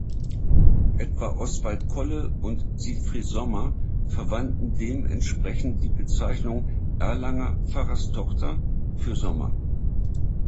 Etwa Oswalt Kolle und Siegfried Sommer verwandten dementsprechend die Bezeichnung "Erlanger Pfarrerstochter" für Sommer.